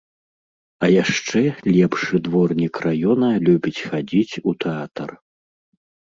А яшчэ лепшы дворнік раёна любіць хадзіць у тэатр.